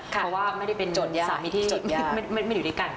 เพราะว่าไม่ได้เป็นสามิที่ไม่ได้อยู่ด้วยกัน